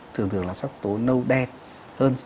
thường thường là sắc tố nâu đen